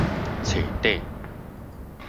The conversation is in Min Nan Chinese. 坐底